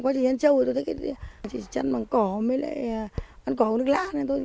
quá trình chăn châu thì tôi thấy chăn bằng cỏ mới lại bằng cỏ nước lạ